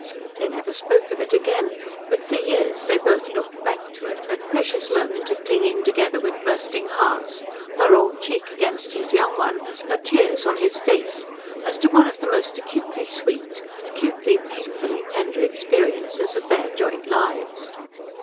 They never spoke of it again; but for years they both looked back to it, that precious moment of clinging together with bursting hearts, her old cheek against his young one, her tears on his face, as to one of the most acutely sweet, acutely, painfully, tender experiences of their joint lives.